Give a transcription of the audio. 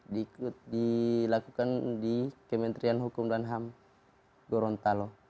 dilakukan di kementerian hukum dan ham gorontalo